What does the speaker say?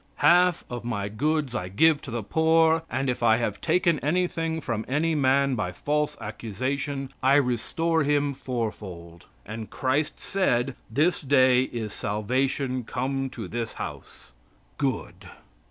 "Half of my goods I give to the poor, and if I have taken anything from any man by false accusation, I restore him four fold." "And Christ said, 'This day is salvation come to this house.'" Good!